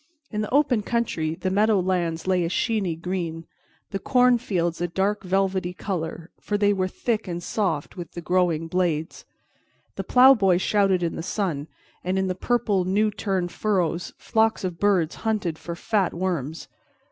In the open country the meadow lands lay a sheeny green, the cornfields a dark velvety color, for they were thick and soft with the growing blades. The plowboy shouted in the sun, and in the purple new turned furrows flocks of birds hunted for fat worms.